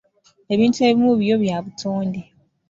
Ebintu ebimu byo bya butonde.